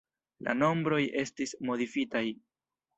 La nombroj estis modifitaj.